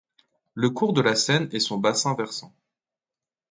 Le cours de la Seine et son bassin versant.